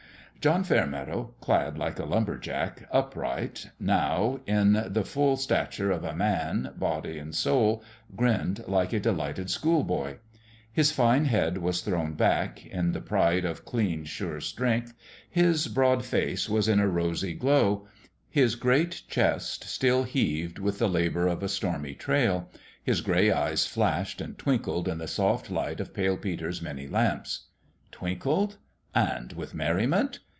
John Fairmeadow, clad like a lumber jack, up right, now, in the full stature of a man, body and soul, grinned like a delighted schoolboy. His fine head was thrown back, in the pride of clean, sure strength ; his broad face was in a rosy glow ; his great chest still heaved with the labour of a stormy trail ; his gray eyes flashed and twinkled in the soft light of Pale Peter's many lamps. Twinkled ? and with merriment